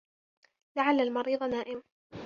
لَعَلَّ الْمَرِيضَ نَائِمٌ.